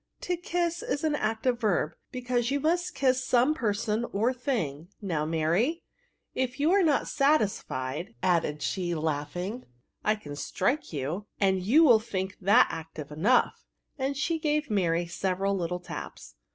" To kiss is an active verb, beeause you must kiss some person or thing. Now, Mary, if you are not satisfied," added she, laughing, I can strike you, and you will think that active enough;" and she gave Mary several little taps.